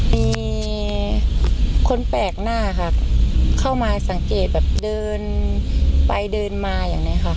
มีคนแปลกหน้าค่ะเข้ามาสังเกตแบบเดินไปเดินมาอย่างนี้ค่ะ